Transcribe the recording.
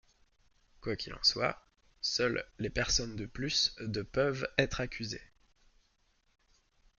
Quoi qu'il en soit, seules les personnes de plus de peuvent être accusées.